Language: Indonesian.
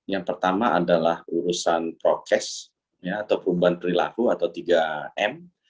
yang pertama adalah urusan prokes atau perubahan perilaku atau tiga m